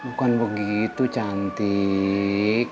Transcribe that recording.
bukan begitu cantik